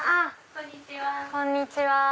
こんにちは。